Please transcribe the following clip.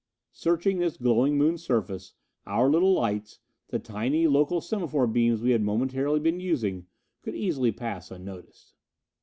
Searching this glowing Moon surface, our little lights, the tiny local semaphore beams we had momentarily been using, could easily pass unnoticed.